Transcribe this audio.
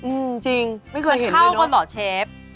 อืมจริงไม่เคยเห็นเลยเนอะมันเข้ากันเหรอเชฟ